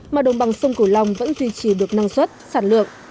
mà đồng bằng sông cửu long vẫn duy trì được năng suất sản lượng